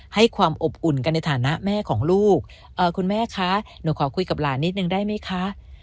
ให้ความอบอุ่นกันในฐานะแม่ของลูกคุณแม่คะหนูขอคุยกับหลานนิดนึงได้ไหมคะ